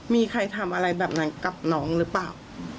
มีใครทำอะไรแบบนั้นกับน้องหรือเปล่า